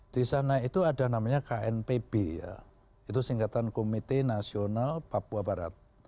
di sana itu ada namanya knpb ya itu singkatan komite nasional papua barat